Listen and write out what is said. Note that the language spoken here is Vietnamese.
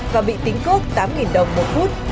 và bị tính cước tám đồng một phút